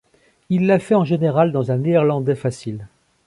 Il l'a fait en général dans un néerlandais facile.